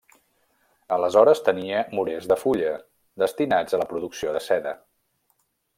Aleshores tenia morers de fulla, destinats a la producció de seda.